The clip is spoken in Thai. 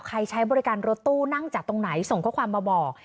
ใช้บริการรถตู้นั่งจากตรงไหนส่งข้อความมาบอก